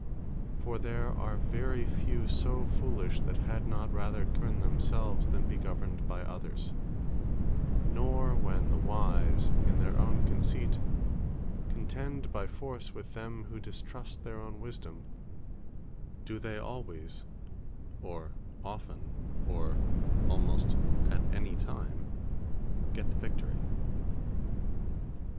For there are very few so foolish, that had not rather governe themselves, than be governed by others: Nor when the wise in their own conceit, contend by force, with them who distrust their owne wisdome, do they alwaies, or often, or almost at any time, get the Victory.